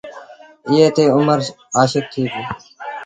ايئي تي اُمر آشڪ ٿئي پيو۔